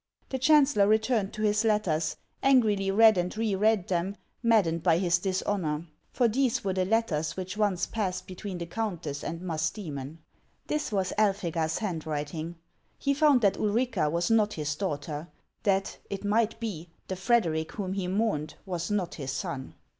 The chancellor returned to his letters, angrily read and re read them, maddened by his dishonor ; for these were the letters which once passed between the countess and jMusdo mon. This was Elphega's handwriting. He found that Ulrica was not his daughter ; that, it might be, the Frederic whom he mourned was not his son.